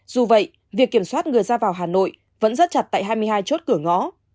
dù vậy việc kiểm soát người ra vào hà nội vẫn rất chặt tại hai mươi hai chốt cửa ngõ